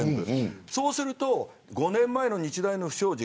そうすると５年前の日大の不祥事